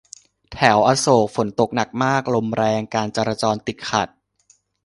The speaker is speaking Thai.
แถวอโศก ฝนตกหนักมาก ลมแรง การจราจรติดขัด